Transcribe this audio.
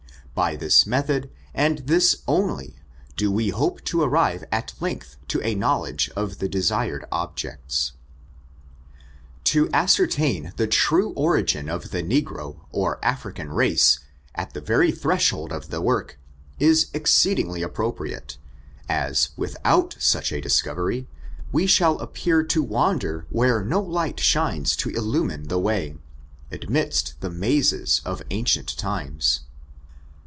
By this method, and this onlyy do we hope to arrive at length to a knowledge of the desir ed objects. To ascertain the true origin of the Negro, or Afri can race, at the very threshold of the work, is ex ceedingly appropriate, as, without such a discovery, we shall appear to wander where no light shines to illume the way, amidst the mazes of ancient times.